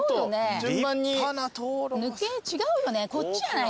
こっちじゃない？